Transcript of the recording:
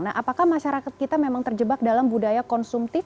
nah apakah masyarakat kita memang terjebak dalam budaya konsumtif